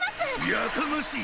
やかましい